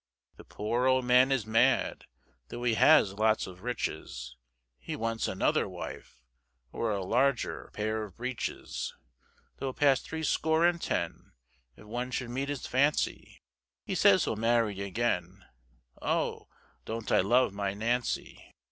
The poor old man is mad, Though he has lots of riches, He wants another wife, Or a larger pair of breeches; Though past three score and ten, If one should meet his fancy. He says he'll marry again, Oh! don't I love my Nancy.